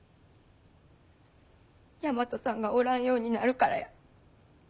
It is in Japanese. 大和さんがおらんようになるからや。